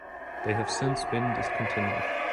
They have since been discontinued.